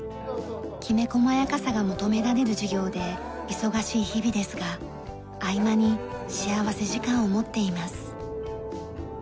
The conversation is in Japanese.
きめ細やかさが求められる事業で忙しい日々ですが合間に幸福時間を持っています。